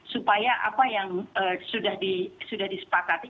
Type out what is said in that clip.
supaya apa yang sudah disepakati